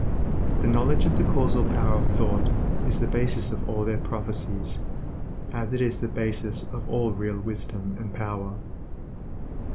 The knowledge of the causal power of thought is the basis of all their prophecies, as it is the basis of all real wisdom and power.